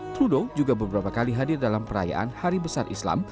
trudeau juga beberapa kali hadir dalam perayaan hari besar islam